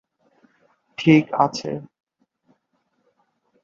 ঠিক আছে'।